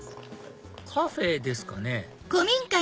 カフェですかね？